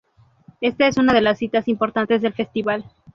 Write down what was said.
Esta es una de las citas importantes del festival.